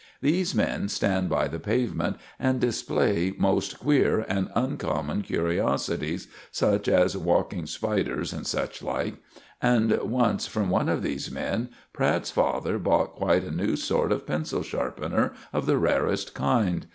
These men stand by the pavement and display most queer and uncommon curiosities, such as walking spiders and such like; and once from one of these men Pratt's father bought quite a new sort of pencil sharpener of the rarest kind.